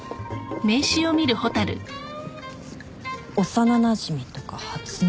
幼なじみとか初耳。